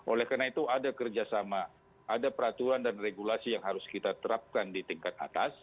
oleh karena itu ada kerjasama ada peraturan dan regulasi yang harus kita terapkan di tingkat atas